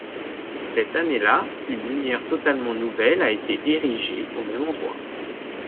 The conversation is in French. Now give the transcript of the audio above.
Cette année-là, une lumière totalement nouvelle a été érigée au même endroit.